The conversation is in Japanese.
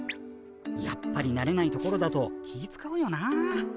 やっぱりなれない所だと気ぃ遣うよなあ。